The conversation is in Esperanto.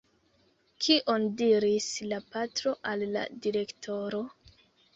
Kion diris la patro al la direktoro?